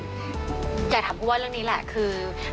อยากถามผู้ว่าเรื่องนี้แหละคือ